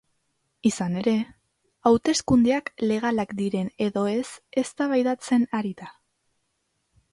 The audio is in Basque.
Izan ere, hauteskundeak legalak diren edo ez eztabaidatzen ari da.